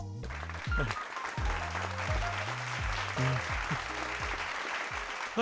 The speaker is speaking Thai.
เฮอร์จิวินเสียงน่าเสียดาย